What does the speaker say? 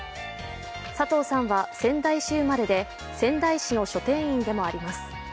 佐藤さんは仙台市生まれで仙台市の書店員でもあります。